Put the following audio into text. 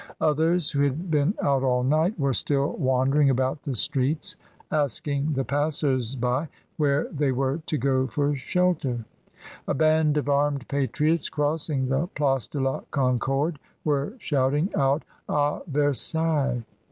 Others, who had been out all night, were still wandering 254 ^^^* I>YMOND. about the streets asking the passers by where they were to go for shelter. A band of armed patriots crossing the Place de la Concorde, were shouting out "A Versailles!"